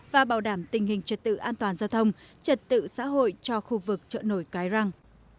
và bảo đảm tình hình trật tự an toàn giao thông trật tự xã hội cho khu vực chợ nổi cái răng